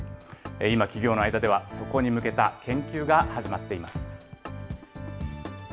今、企業の間ではそこに向けた研究が始まっています。